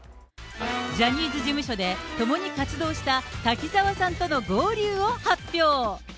ジャニーズ事務所で共に活動した滝沢さんとの合流を発表。